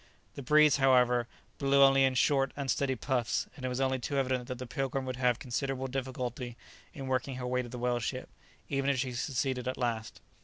The breeze, however, blew only in short, unsteady puffs, and it was only too evident that the "Pilgrim" would have considerable difficulty in working her way to the whale boat, even if she succeeded at last.